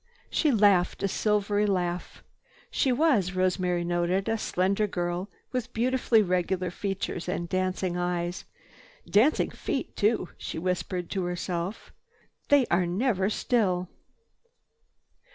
She laughed a silvery laugh. She was, Rosemary noted, a slender girl with beautifully regular features and dancing eyes. "Dancing feet too," she whispered to herself. "They are never still."